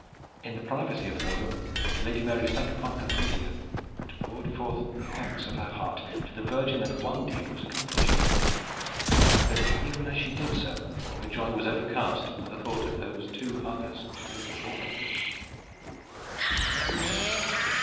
In the privacy of her room the Lady Mary sank upon her prie dieu and poured forth the thanks of her heart to the Virgin that one deed was accomplished; but even as she did so her joy was overcast by the thought of those two others which lay before him.